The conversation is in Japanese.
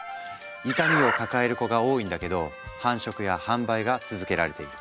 痛みを抱える子が多いんだけど繁殖や販売が続けられている。